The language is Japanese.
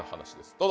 どうぞ。